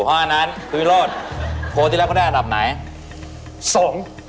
เพราะฉะนั้นคุณวิโรธโคตรที่แรกเขาได้อันดับไหน